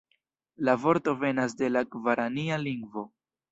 La vorto venas de la gvarania lingvo.